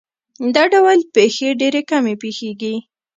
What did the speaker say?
دا ډول پېښې ډېرې کمې پېښېږي.